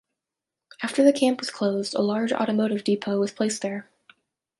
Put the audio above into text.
After the camp was closed, a large automotive depot was placed there.